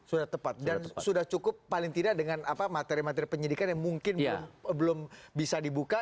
sudah tepat dan sudah cukup paling tidak dengan materi materi penyidikan yang mungkin belum bisa dibuka